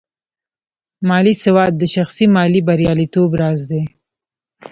مالي سواد د شخصي مالي بریالیتوب راز دی.